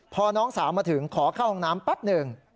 พอน้องสาวมาถึงขอเข้าห้องน้ำแป๊บหนึ่ง